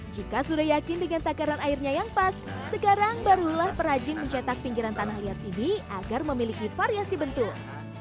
jika sudah yakin dengan takaran airnya yang pas sekarang barulah perajin mencetak pinggiran tanah liat ini agar memiliki variasi bentuk